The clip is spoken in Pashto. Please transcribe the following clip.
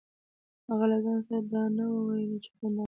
هغه له ځان سره دا نه وو ويلي چې دنده غواړي.